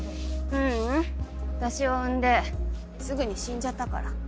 ううん私を産んですぐに死んじゃったから。